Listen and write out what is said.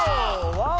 ワオ！